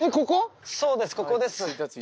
ここです。